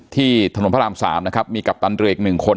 ที่ถนนพระราม๓นะครับมีกัปตันเรืออีกหนึ่งคน